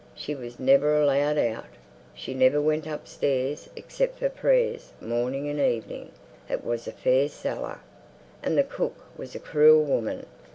She was never allowed out. She never went upstairs except for prayers morning and evening. It was a fair cellar. And the cook was a cruel woman.